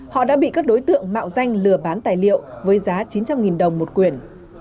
họ đã bị các đối tượng mạo danh lừa bán tài liệu với giá chín trăm linh đồng một quyền